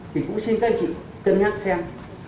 thì cũng xin các anh chị cân nhắc xem